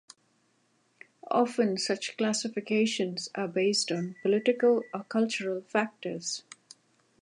Often such classifications are based on political or cultural factors.